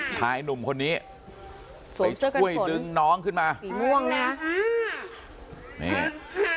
ชายหนุ่มคนนี้สวบเสื้อกันฝนไปช่วยดึงน้องขึ้นมาสีม่วงน่ะ